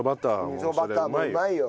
味噌バターもうまいよ。